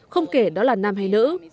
không kể đó là nam hay nữ